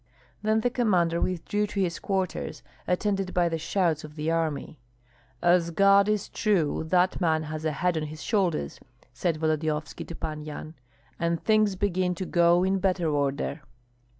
Then the commander withdrew to his quarters, attended by the shouts of the army. "As God is true, that man has a head on his shoulders," said Volodyovski to Pan Yan, "and things begin to go in better order."